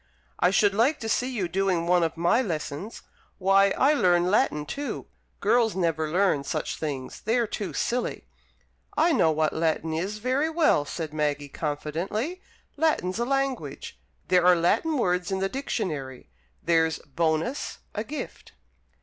"I should like to see you doing one of my lessons! Why, I learn Latin too! Girls never learn such things. They're too silly." "I know what Latin is very well," said Maggie, confidently. "Latin's a language. There are Latin words in the Dictionary. There's 'bonus, a gift.'"